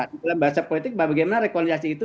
dalam bahasa politik bagaimana rekonsilisasi itu